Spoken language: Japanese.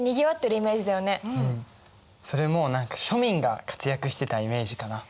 それも何か庶民が活躍してたイメージかな。